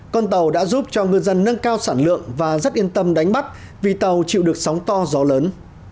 con tàu đã giúp cho ngư dân nâng cao sản lượng và rất yên tâm đánh bắt vì tàu chịu được sóng to gió lớn